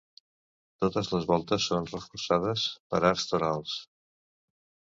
Totes les voltes són reforçades per arcs torals.